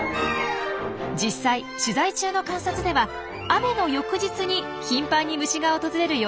実際取材中の観察では雨の翌日に頻繁に虫が訪れる様子が見られました。